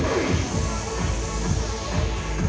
ขอบคุณครับ